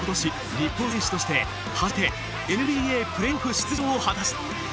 日本選手として初めてＮＢＡプレーオフ出場を果たした。